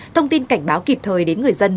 thông tin cảnh báo kịp thời đến người dân